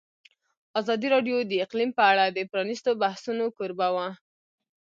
ازادي راډیو د اقلیم په اړه د پرانیستو بحثونو کوربه وه.